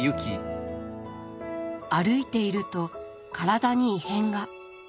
歩いていると体に異変が。